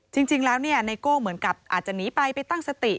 จริงแล้วไนโก้เหมือนกับอาจจะหนีไปไปตั้งสติ